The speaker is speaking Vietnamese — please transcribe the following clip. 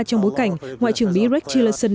trong bối cảnh ngoại trưởng mỹ rex tillerson